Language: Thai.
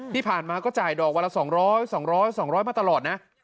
ที่ผ่านมาก็จ่ายดอกวันละ๒๐๐๒๐๐๒๐๐มาตลอดนะ